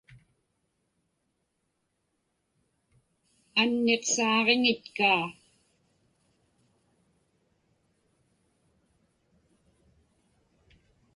Anniqsaaġiŋitkaa.